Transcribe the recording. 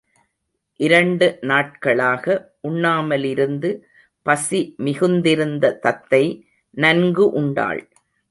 இரண்டு நாட்களாக உண்ணாமலிருந்து பசி மிகுந்திருந்த தத்தை நன்கு உண்டாள்.